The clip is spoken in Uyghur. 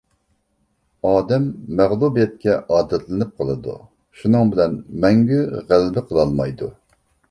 ئادەم مەغلۇبىيەتكە ئادەتلىنىپ قالىدۇ، شۇنىڭ بىلەن مەڭگۈ غەلىبە قىلالمايدۇ.